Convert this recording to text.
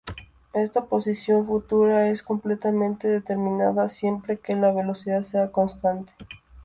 Esta posición futura es completamente determinista, siempre que la velocidad sea constante.